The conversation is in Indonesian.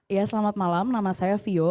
ya selamat malam nama saya vio